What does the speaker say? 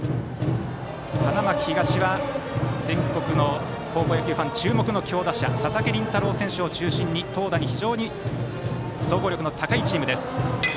花巻東は全国の高校野球ファン注目の強打者佐々木麟太郎選手を中心に投打に非常に総合力の高いチームです。